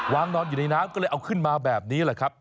นอนอยู่ในน้ำก็เลยเอาขึ้นมาแบบนี้แหละครับ